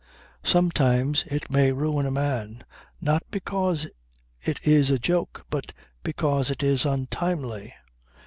Sometimes it may ruin a man; not because it is a joke, but because it is untimely.